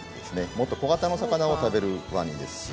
もっと小型の魚を食べるワニですし。